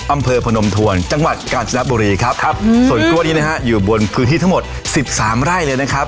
พนมทวนจังหวัดกาญจนบุรีครับครับส่วนกล้วยนี้นะฮะอยู่บนพื้นที่ทั้งหมดสิบสามไร่เลยนะครับ